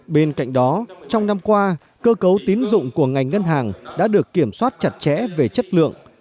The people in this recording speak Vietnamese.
bên cạnh đó trong năm qua cơ cấu tín dụng của ngành ngân hàng đã được kiểm soát chặt chẽ về chất lượng